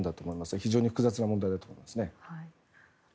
非常に複雑な問題だと思いますね。